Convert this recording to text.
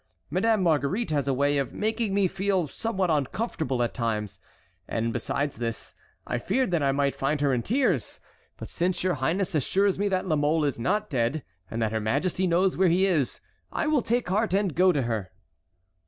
Madame Marguerite has a way of making me feel somewhat uncomfortable at times, and besides this, I feared that I might find her in tears. But since your highness assures me that La Mole is not dead and that her majesty knows where he is I will take heart and go to her."